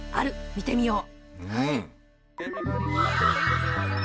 見てみよう。